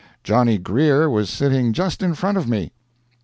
Johnny Greer was sitting just in front of me.